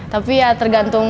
tapi ya tergantung